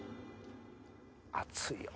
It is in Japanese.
熱いよ。